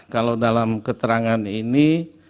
kalau dalam keterangan ini